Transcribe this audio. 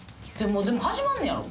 でも始まんのやろ？